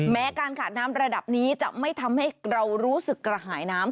แม้การขาดน้ำระดับนี้จะไม่ทำให้เรารู้สึกกระหายน้ำ